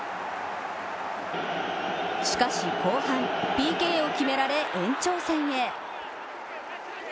しかし、後半、ＰＫを決められ延長戦へ。